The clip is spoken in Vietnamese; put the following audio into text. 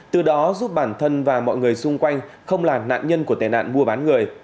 từ đó giúp bản thân và mọi người xung quanh không là nạn nhân của tệ nạn mua bán người